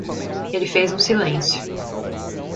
Ele fez um silêncio.